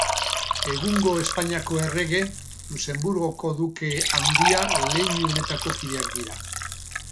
Egungo Espainiako errege, Luxenburgoko Duke Handia leinu honetako kideak dira.